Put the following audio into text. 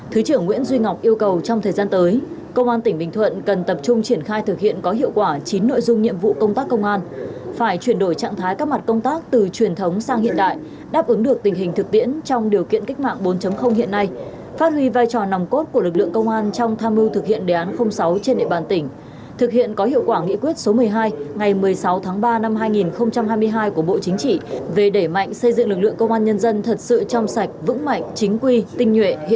thứ trưởng nguyễn duy ngọc yêu cầu trong thời gian tới công an tỉnh bình thuận cần tập trung triển khai thực hiện có hiệu quả chín nội dung nhiệm vụ công tác công an phải chuyển đổi trạng thái các mặt công tác từ truyền thống sang hiện đại đáp ứng được tình hình thực tiễn trong điều kiện kích mạng bốn hiện nay phát huy vai trò nòng cốt của lực lượng công an trong tham mưu thực hiện đề án sáu trên địa bàn tỉnh thực hiện có hiệu quả nghị quyết số một mươi hai ngày một mươi sáu tháng ba năm hai nghìn hai mươi hai của bộ chính trị về để mạnh xây dựng lực lượng công an nhân dân thật sự trong sạch vững mạnh